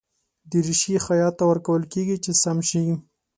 دریشي خیاط ته ورکول کېږي چې سم شي.